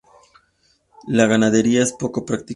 La ganadería es poco practicada.